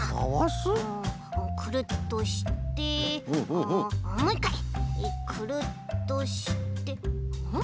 くるっとしてもういっかいくるっとしてん？